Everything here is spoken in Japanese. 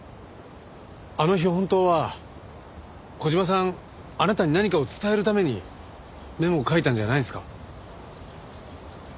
あの日本当は小島さんあなたに何かを伝えるためにメモを書いたんじゃないですか？